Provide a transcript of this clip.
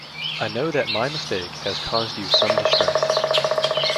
I know that my mistake has caused you some distress.